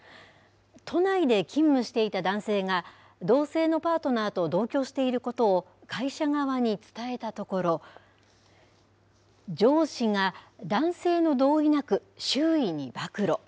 都内で勤務していた男性が、同性のパートナーと同居していることを会社側に伝えたところ、上司が男性の同意なく、周囲に暴露。